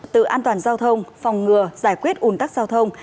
tự an toàn giao thông phòng ngừa giải quyết ủn tắc giao thông